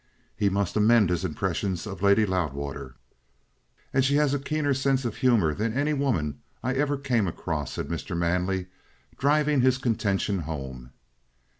He must amend his impressions of Lady Loudwater. "And she has a keener sense of humour than any woman I ever came across," said Mr. Manley, driving his contention home.